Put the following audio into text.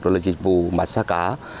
rồi dịch vụ mát xa cá